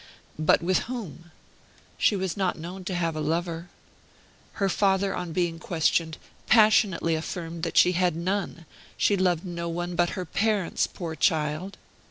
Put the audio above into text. But with whom? She was not known to have a lover. Her father, on being questioned, passionately affirmed that she had none; she loved no one but her parents, poor child!